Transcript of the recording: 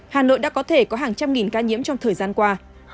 hà nội đã có thể có hàng trăm nghìn ca nhiễm trong thời gian qua